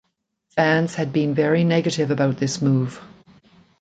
Fans had been very negative about this move.